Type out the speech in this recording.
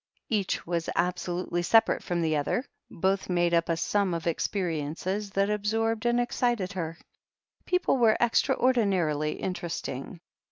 Each was absolutely separate from the other, but both made up a sum of experiences that absorbed and excited her. People were extraordinarily interesting.